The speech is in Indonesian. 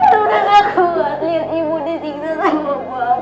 kamu tak kelihatan ibu disiksa sama bapak